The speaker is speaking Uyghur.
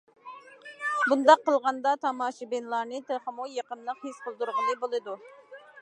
بۇنداق قىلغاندا تاماشىبىنلارنى تېخىمۇ يېقىملىق ھېس قىلدۇرغىلى بولىدۇ.